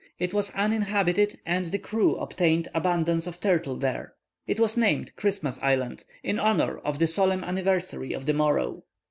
It was uninhabited and the crew obtained abundance of turtle there. It was named Christmas Island, in honour of the solemn anniversary of the morrow.